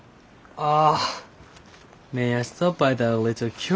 ああ。